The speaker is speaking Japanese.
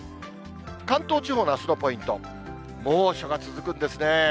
関東地方のあすのポイント、猛暑が続くんですね。